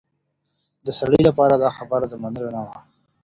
د سړي لپاره دا خبره د منلو نه وه.